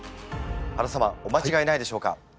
原様お間違えないでしょうか？